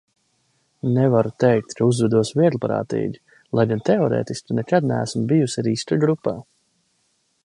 Nevarētu teikt, ka uzvedos vieglprātīgi, lai gan teorētiski nekad neesmu bijusi riska grupā.